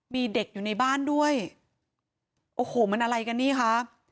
มีเด็กอยู่ในบ้านด้วยโอ้โหมันอะไรกันนี่คะ